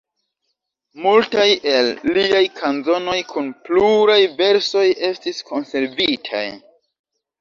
Multaj el liaj kanzonoj kun pluraj versoj estis konservitaj.